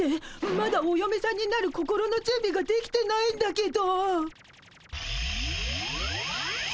まだおよめさんになる心のじゅんびができてないんだけど。